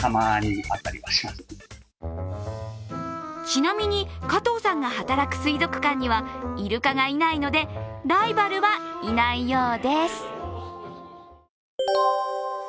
ちなみに加藤さんが働く水族館にはイルカがいないので、ライバルはいないようです。